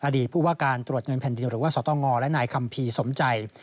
อดีตผู้ว่าการตรวจเงินแผ่นดินหรือว่าสตงและนายคัมภีร์สมใจ